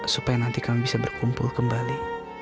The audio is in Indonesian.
supaya nanti kami bisa berkumpul kembali